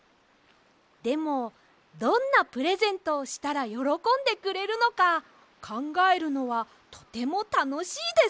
でもどんなプレゼントをしたらよろこんでくれるのかかんがえるのはとてもたのしいです！